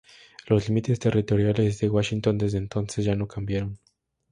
Los límites territoriales de Washington, desde entonces, ya no cambiaron.